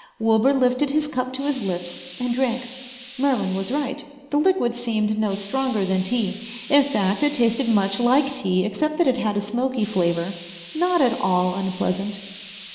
Wilbur lifted his cup to his lips and drank. Merlin was right. The liquid seemed no stronger than tea. In fact it tasted much like tea, except that it had a smoky flavor, not at all unpleasant.